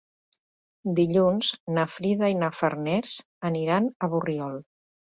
Dilluns na Frida i na Farners aniran a Borriol.